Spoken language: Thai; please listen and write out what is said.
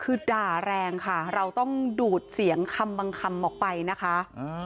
คือด่าแรงค่ะเราต้องดูดเสียงคำบางคำออกไปนะคะ